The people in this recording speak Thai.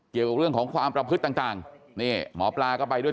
เกี่ยวกับเรื่องของความประพฤติต่างนี่หมอปลาก็ไปด้วย